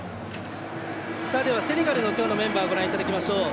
セネガルの今日のメンバーをご覧いただきましょう。